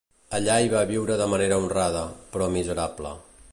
Allà hi va viure de manera honrada, però miserable.